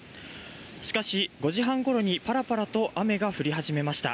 しかし、５時半ごろにパラパラと雨が降り始めました。